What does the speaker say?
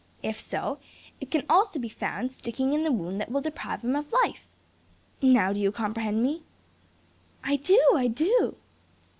If so, it can also be found sticking in the wound that will deprive him of life. Now do you comprehend me?" "I do, I do!"